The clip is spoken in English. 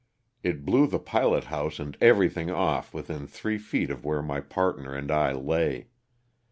It blew the pilot house and everything off within three feet of where my partner and I lay.